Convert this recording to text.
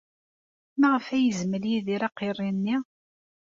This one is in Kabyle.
Maɣef ay yezmel Yidir aqirri-nni?